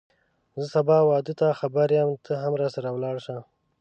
زه سبا واده ته خبر یم ته هم راسره ولاړ شه